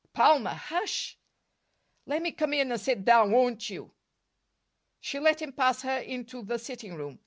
"Palmer, hush!" "Lemme come in and sit down, won't you?" She let him pass her into the sitting room.